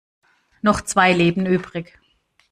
Noch zwei Leben übrig.